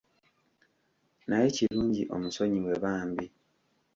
Naye kirungi omusonyiwe bambi.